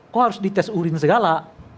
kok harus dites urin segala